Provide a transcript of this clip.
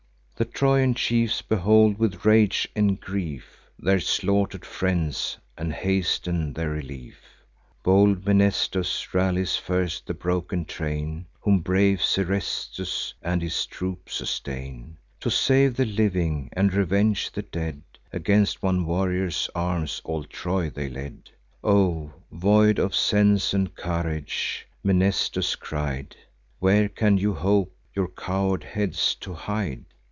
The Trojan chiefs behold, with rage and grief, Their slaughter'd friends, and hasten their relief. Bold Mnestheus rallies first the broken train, Whom brave Seresthus and his troop sustain. To save the living, and revenge the dead, Against one warrior's arms all Troy they led. "O, void of sense and courage!" Mnestheus cried, "Where can you hope your coward heads to hide?